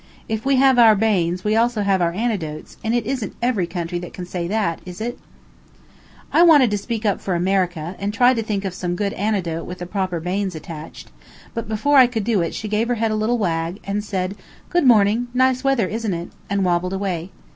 If we have our banes, we also have our antidotes; and it isn't every country that can say that, is it?" [Illustration: "And did you like Chedcombe?"] I wanted to speak up for America, and tried to think of some good antidote with the proper banes attached; but before I could do it she gave her head a little wag, and said, "Good morning; nice weather, isn't it?" and wobbled away.